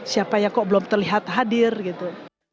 siapa yang kok belum terlihat hadir gitu